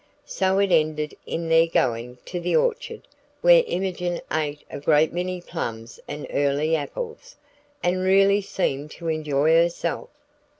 So it ended in their going to the orchard, where Imogen ate a great many plums and early apples, and really seemed to enjoy herself.